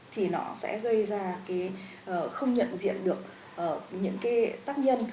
thì nó sẽ gây ra không nhận diện được những tác nhân